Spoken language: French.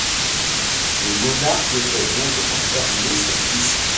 Le monarque fait donc enfermer son fils.